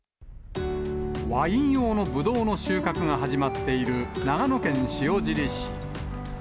ワイン用のブドウの収穫が始まっている長野県塩尻市。